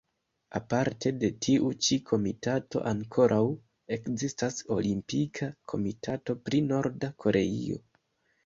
Aparte de tiu-ĉi komitato, ankoraŭ ekzistas Olimpika Komitato pri Norda Koreio.